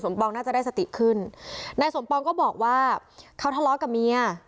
ปองน่าจะได้สติขึ้นนายสมปองก็บอกว่าเขาทะเลาะกับเมีย